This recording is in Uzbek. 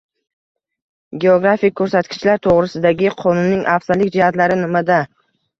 «Geografik ko‘rsatkichlar to‘g‘risida»gi qonunning afzallik jihatlari nimada?ng